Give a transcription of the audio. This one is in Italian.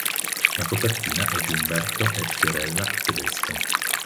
La copertina è di Umberto e Fiorella Tedesco.